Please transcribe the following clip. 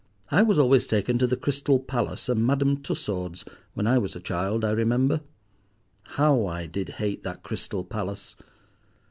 I was always taken to the Crystal Palace and Madame Tussaud's when I was a child, I remember. How I did hate that Crystal Palace!